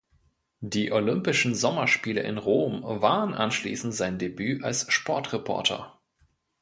Die Olympischen Sommerspiele in Rom waren anschließend sein Debüt als Sportreporter.